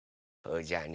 じゃあね